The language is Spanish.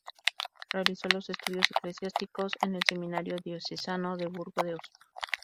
Realizó los estudios eclesiásticos en el Seminario diocesano de Burgo de Osma.